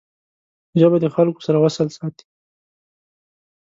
ژبه د خلګو سره وصل ساتي